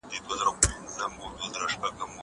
زه بايد سبا ته فکر وکړم!!